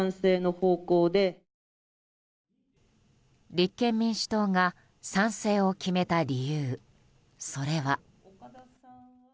立憲民主党が賛成を決めた理由それは。